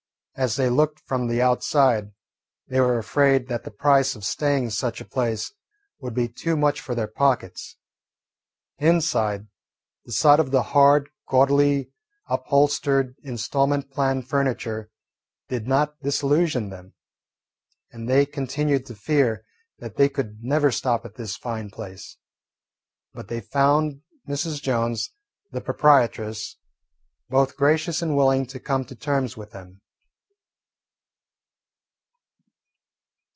As they looked from the outside, they were afraid that the price of staying in such a place would be too much for their pockets. Inside, the sight of the hard, gaudily upholstered instalment plan furniture did not disillusion them, and they continued to fear that they could never stop at this fine place. But they found Mrs. Jones, the proprietress, both gracious and willing to come to terms with them.